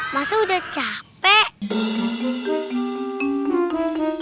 masa udah capek